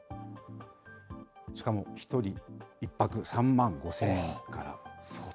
しかも１人１泊３万５０００円から。